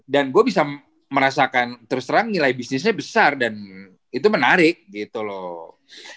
dan gue bisa merasakan terus terang nilai bisnisnya besar dan itu menarik gitu loh